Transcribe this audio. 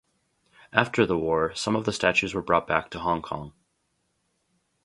After the war, some of the statues were brought back to Hong Kong.